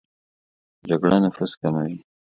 جګړه نفوس کموي